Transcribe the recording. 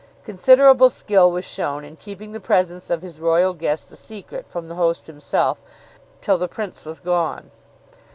Considerable skill was shown in keeping the presence of his royal guest a secret from the host himself till the Prince was gone.